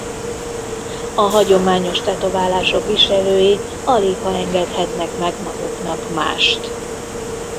A hagyományos tetoválások viselői aligha engedhetnek meg maguknak mást.